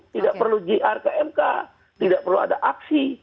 tidak perlu grkmk tidak perlu ada aksi